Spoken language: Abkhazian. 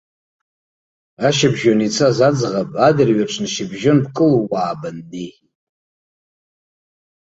Ашьыбжьон ицаз аӡӷаб, адырҩаҽны шьыбжьон бкылууа баннеи!